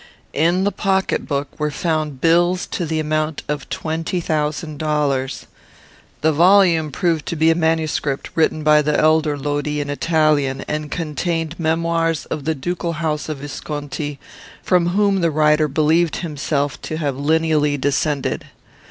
In the pocket book were found bills to the amount of twenty thousand dollars. The volume proved to be a manuscript, written by the elder Lodi in Italian, and contained memoirs of the ducal house of Visconti, from whom the writer believed himself to have lineally descended.